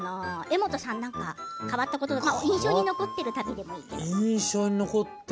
柄本さん、何か変わったこととか印象に残っている旅でもいいんだけど。